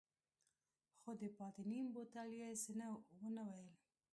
خو د پاتې نيم بوتل يې څه ونه ويل.